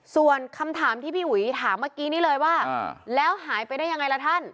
ส่วนคำถามที่พี่อุ๋ยถามเมื่อกี้นี้เลยว่าแล้วหายไปได้ยังไงล่ะท่าน